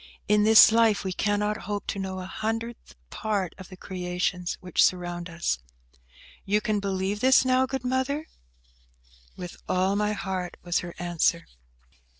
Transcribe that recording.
In this life we cannot hope to know a hundredth part of the creations which surround us. You can believe this now, good Mother?" "With all my heart," was her answer.